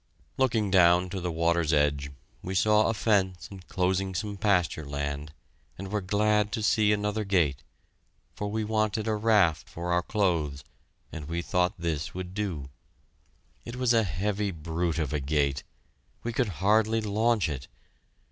Looking down to the water's edge, we saw a fence enclosing some pasture land, and were glad to see another gate, for we wanted a raft for our clothes, and we thought this would do. It was a heavy brute of a gate. We could hardly launch it.